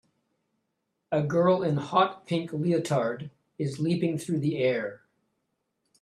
A girl in hot pink leotard is leaping through the air.